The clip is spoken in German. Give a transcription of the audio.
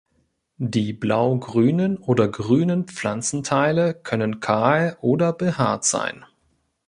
Die blaugrünen oder grünen Pflanzenteile können kahl oder behaart sein.